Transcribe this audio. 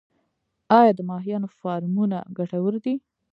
آیا د ماهیانو فارمونه ګټور دي؟